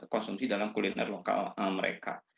konsumsi dalam kuliner lokal mereka